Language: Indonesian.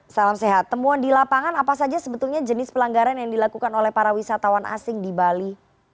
salam sehat temuan di lapangan apa saja sebetulnya jenis pelanggaran yang dilakukan oleh para wisatawan asing di bali